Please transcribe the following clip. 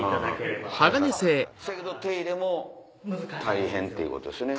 そやけど手入れも大変ということですよね。